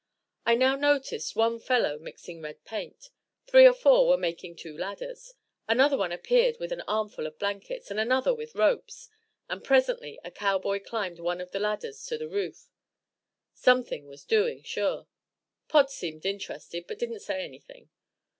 I now noticed one fellow mixing red paint; three or four were making two ladders; another one appeared with an armful of blankets; and another with ropes, and presently a cowboy climbed one of the ladders to the roof. Something was doing, sure. Pod seemed interested, but didn't say anything.